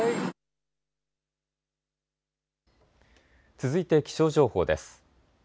続いて気象情報です。